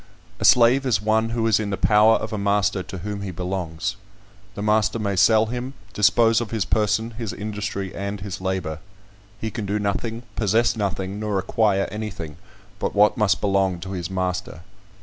A slave is one who is in the power of a master to whom he belongs. The master may sell him, dispose of his person, his industry, and his labour. He can do nothing, possess nothing, nor acquire anything, but what must belong to his master.